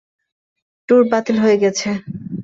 Tour বাতিল হয়ে গেছে।